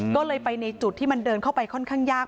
ก็เลยไปในจุดที่มันเดินเข้าไปค่อนข้างยาก